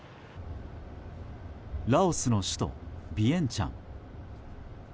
ラオスの首都ビエンチャン。